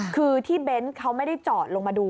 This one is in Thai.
คือที่เบนท์เขาไม่ได้จอดลงมาดู